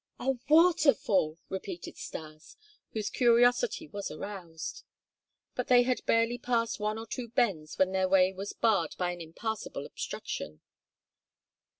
"A waterfall!" repeated Stas, whose curiosity was aroused. But they had barely passed one or two bends when their way was barred by an impassable obstruction.